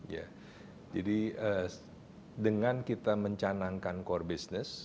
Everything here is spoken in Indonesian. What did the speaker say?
ya jadi dengan kita mencanangkan core business